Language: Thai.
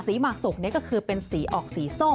หมากสุกก็คือเป็นสีออกสีส้ม